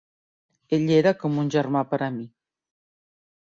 Ell era com un germà per a mi.